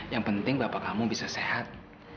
yang penting bapak kamu bisa sehat